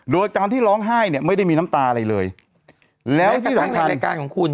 โดยการที่ร้องไห้เนี่ยไม่ได้มีน้ำตาอะไรเลยแล้วก็สังขารรายการของคุณ